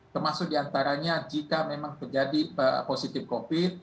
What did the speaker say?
termasuk diantaranya jika memang terjadi positif covid